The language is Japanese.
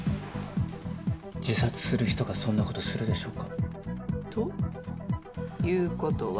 自殺する人がそんなことするでしょうか？ということは。